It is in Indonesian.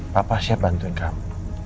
papa siap bantuin kamu